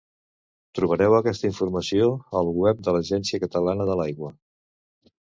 Trobareu aquesta informació al web de l'Agència Catalana de l'Aigua.